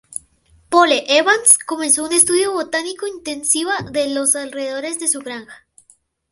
Pole Evans, comenzó un estudio botánico intensiva de los alrededores de su granja.